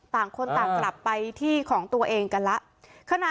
ต่างคนต่างกลับไปที่ของตัวเองกันแล้ว